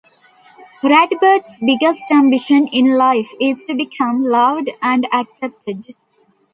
Ratbert's biggest ambition in life is to become loved and accepted.